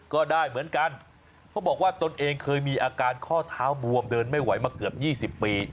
ก็ได้เหมือนกันเขาบอกว่าตนเองเคยมีอาการข้อเท้าบวมเดินไม่ไหวมาเกือบ๒๐ปี